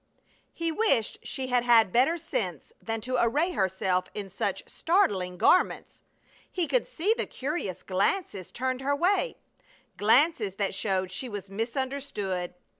He wished she had had better sense than to array herself in such startling garments. He could see the curious glances turned her way; glances that showed she was misunderstood.